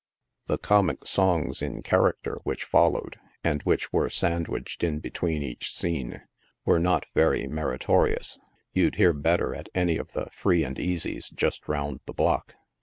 The comic songs in character which followed, and which were sandwiched in between each scene, were not very meritorious — you'd hear better at any of the Free and Easy's just round the block.